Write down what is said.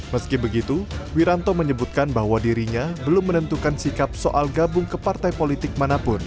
meski begitu wiranto menyebutkan bahwa dirinya belum menentukan sikap soal gabung ke partai politik manapun